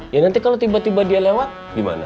ya nanti kalau tiba tiba dia lewat gimana